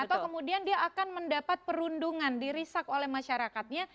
atau kemudian dia akan mendapat perundungan dirisak oleh masyarakatnya